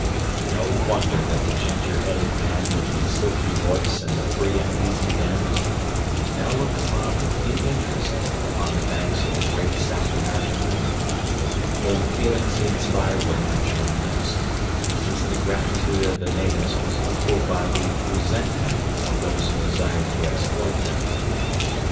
No wonder that the ginger headed man with the silky voice and the free and easy manners was now looked upon with deep interest upon the banks of the great South American river, though the feelings he inspired were naturally mixed, since the gratitude of the natives was equaled by the resentment of those who desired to exploit them.